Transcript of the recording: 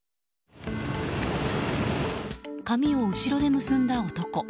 髪を後ろで結んだ男。